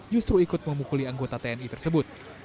justru ikut memukuli anggota tni tersebut